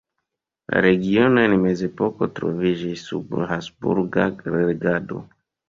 La regiono en mezepoko troviĝis sub habsburga regado.